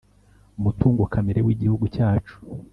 mutungo kamere w Igihugu cyacu